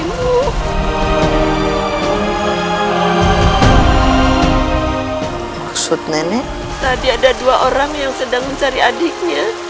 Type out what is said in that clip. tadi ada dua orang yang sedang mencari adiknya